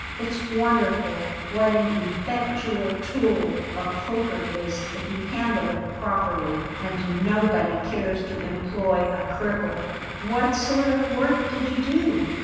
It's wonderful what an effectual tool a poker is if you handle it properly; and nobody cares to employ a cripple." "What sort of work did you do?"